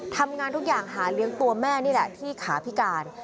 ทำงานทุกอย่างหาเลี้ยงตัวแม่นี่แหละที่ขาพิการ